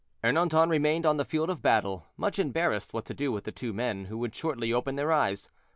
Ernanton remained on the field of battle, much embarrassed what to do with the two men, who would shortly open their eyes.